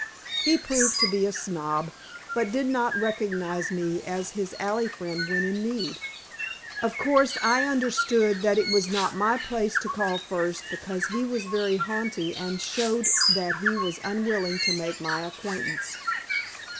He proved to be a snob, but did not recognize me as his alley friend when in need. Of course I understood that it was not my place to call first because he was very haughty and showed that he was unwilling to make my acquaintance.